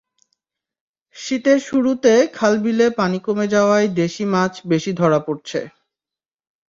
শীতের শুরুতে খালবিলে পানি কমে যাওয়ায় দেশি মাছ বেশি ধরা পড়ছে।